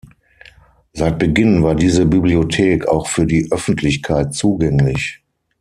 Seit Beginn war diese Bibliothek auch für die Öffentlichkeit zugänglich.